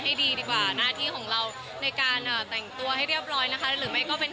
ให้ดีดีกว่าหน้าที่ของเราในการแต่งตัวให้เรียบร้อยนะคะหรือไม่ก็เป็น